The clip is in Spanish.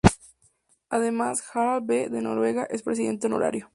Además, Harald V de Noruega es presidente honorario.